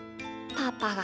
パパが？